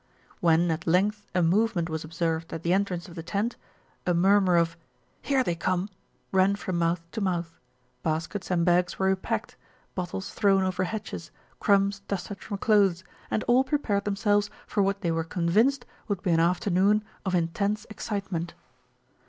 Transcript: When at length a movement was observed at the entrance of the tent, a murmur of "Here they come !" ran from mouth to mouth. Baskets and bags were re packed, bottles thrown over hedges, crumbs dusted from clothes, and all prepared themselves for what they were convinced would be an afternoon of intense excitement.